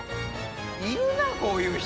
いるなこういう人。